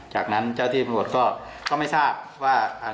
จากนั้นเจ้าที่บริวัติก็ก็ไม่ทราบว่าอ่า